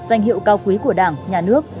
danh hiệu cao quý của đảng nhà nước